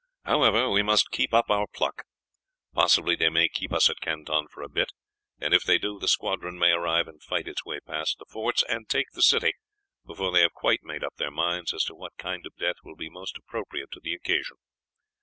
However, we must keep up our pluck. Possibly they may keep us at Canton for a bit, and if they do the squadron may arrive and fight its way past the forts and take the city before they have quite made up their minds as to what kind of death will be most appropriate to the occasion.